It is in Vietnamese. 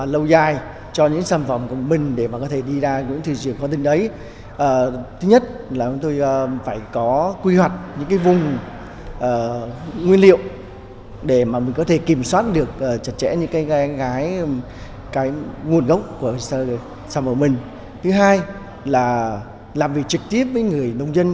làm việc trực tiếp với người nông dân